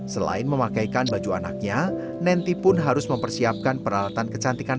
selain memakaikan baju anaknya nenty pun harus mempersiapkan peralatan kecantikan